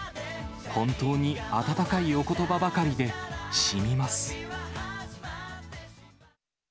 本当に温かいおことばばかりでしみます。